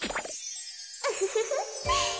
ウフフフ。